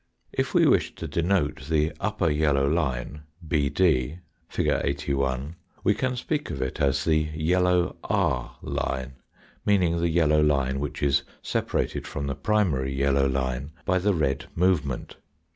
If we wish to denote the upper yellow line BD, fig. 81, we can speak of it as the yellow r line, meaning Flg * 8L the yellow line which is separated from the primary yellow line by the red movement.